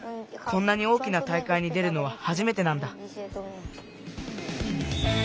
こんなに大きな大かいに出るのははじめてなんだ。